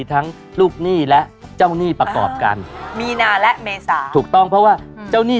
ทั้งลูกหนี้ทั้งเจ้าหนี้